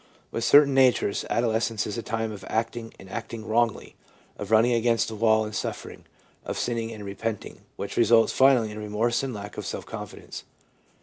With certain natures, adolescence is a time of acting and acting wrongly, of running against a wall and suffering, of sinning and repenting, which results finally in remorse and lack of self confidence.